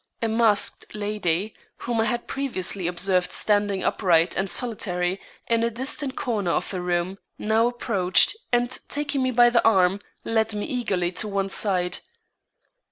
A masked lady, whom I had previously observed standing upright and solitary in a distant corner of the room, now approached, and taking me by the arm, led me eagerly to one side.